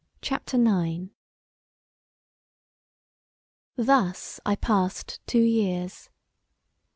CHAPTER IX Thus I passed two years.